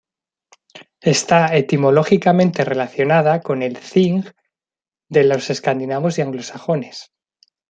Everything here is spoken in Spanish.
Está etimológicamente relacionada con el "thing" de los escandinavos y anglosajones.